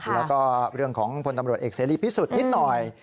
แล้วก็เรื่องของพลตำรวจเอกเสรีพิสุทธิ์นิดหน่อย